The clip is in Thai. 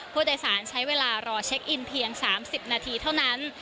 ผู้โดยสารใช้เวลารอเช็คอินเพียง๓๐นาทีเท่านั้น